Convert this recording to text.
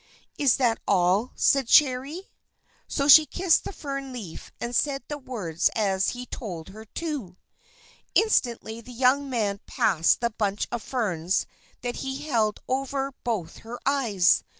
_'" "Is that all!" said Cherry. So she kissed the fern leaf, and said the words as he told her to. Instantly the young man passed the bunch of ferns that he held over both her eyes.